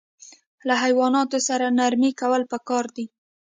له حیواناتو سره نرمي کول پکار دي.